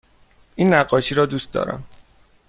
این نقاشی را دوست دارم.